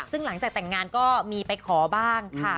ซึ่งหลังจากแต่งงานก็มีไปขอบ้างค่ะ